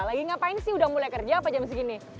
lagi ngapain sih udah mulai kerja apa jam segini